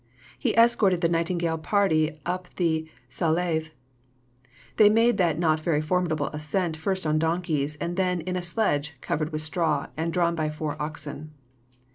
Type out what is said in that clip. He escorted the Nightingale party up the Salève. They made that not very formidable ascent first on donkeys and then "in a sledge covered with straw and drawn by four oxen."